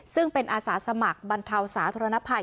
ซึ่งเป็นอาสาสมัครบรรเทาสาธารณภัย